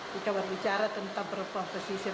kita berbicara tentang perempuan pesisir